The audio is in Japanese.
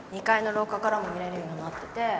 ２階の廊下からも見れるようになってて。